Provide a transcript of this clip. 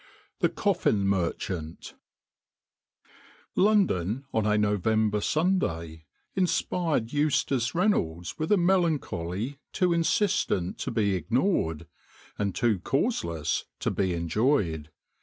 THE COFFIN MERCHANT LONDON on a November Sunday inspired Eustace Reynolds with a melancholy too insistent to be ignored and too causeless to be enjoyed.